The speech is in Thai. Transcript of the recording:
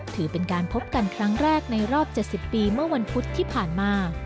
ถือเป็นการพบกันครั้งแรกในรอบ๗๐ปีเมื่อวันพุธที่ผ่านมา